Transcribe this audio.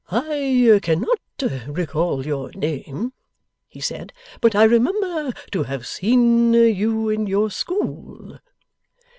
'I cannot recall your name,' he said, 'but I remember to have seen you in your school.